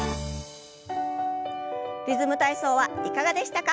「リズム体操」はいかがでしたか？